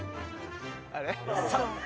あれ？